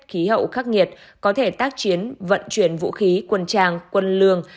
khí hậu khắc nghiệt có thể tác chiến vận chuyển vũ khí quân trang quân lương